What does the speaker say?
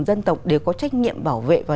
dân tộc đều có trách nhiệm bảo vệ và